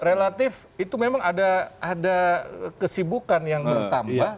relatif itu memang ada kesibukan yang bertambah